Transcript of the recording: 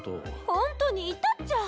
ホントにいたっちゃ。